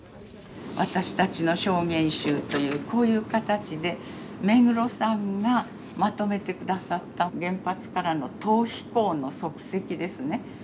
「わたしたちの証言集」というこういう形で目黒さんがまとめて下さった原発からの逃避行の足跡ですね。